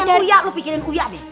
asian uya lu pikirin uya bek